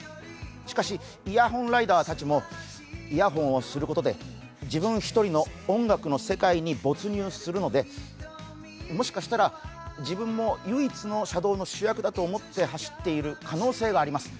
しかしイヤホンライダーたちもイヤホンをすることで自分一人の音楽の世界に没入するのでもしかしたら、自分も唯一の車道の主役だと思って走っている可能性があります。